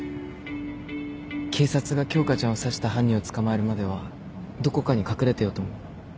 警察が京花ちゃんを刺した犯人を捕まえるまではどこかに隠れてようと思う。